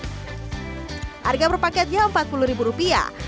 harga per paketnya rp empat puluh rupiah